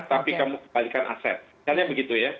tapi kamu kembalikan aset